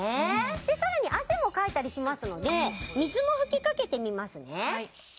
さらに汗もかいたりしますので水も吹きかけてみますね